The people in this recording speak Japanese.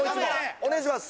お願いします！